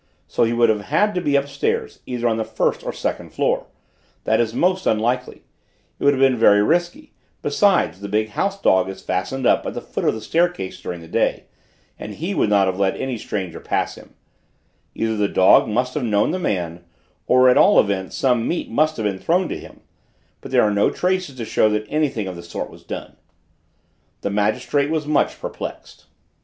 So he would have had to be upstairs, either on the first or second floor: that is most unlikely: it would have been very risky; besides, the big house dog is fastened up at the foot of the staircase during the day, and he would not have let any stranger pass him: either the dog must have known the man, or at all events some meat must have been thrown to him; but there are no traces to show that anything of the sort was done." The magistrate was much perplexed.